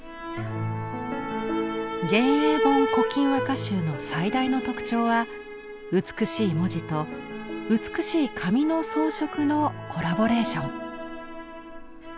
「元永本古今和歌集」の最大の特徴は美しい文字と美しい紙の装飾のコラボレーション。